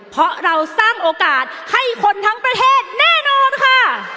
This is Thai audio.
เพราะเราสร้างโอกาสให้คนทั้งประเทศแน่นอนค่ะ